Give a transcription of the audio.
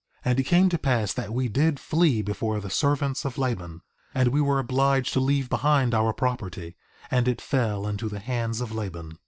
3:26 And it came to pass that we did flee before the servants of Laban, and we were obliged to leave behind our property, and it fell into the hands of Laban.